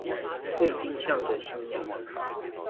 被盯上的新娘